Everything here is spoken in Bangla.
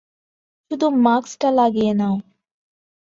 শুধু মাস্কটা লাগিয়ে নাও।